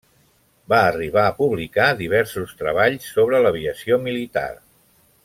Va arribar a publicar diversos treballs sobre l'aviació militar.